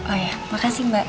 oh ya makasih mbak